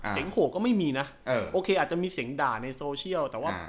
เสียงโหก็ไม่มีนะโอเคอาจจะมีเสียงด่าในโซเชียล